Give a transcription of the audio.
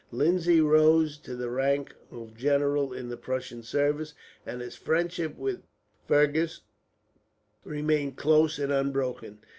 Lindsay rose to the rank of general in the Prussian service, and his friendship with Fergus remained close and unbroken.